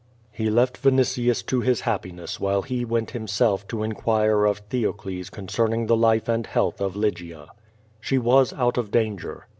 He loft Vinitius to his happiness while he went himself to inquire of Theoclcs concerning the life and health of Lygia. She was out of danger.